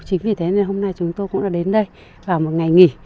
chính vì thế hôm nay chúng tôi cũng đã đến đây vào một ngày nghỉ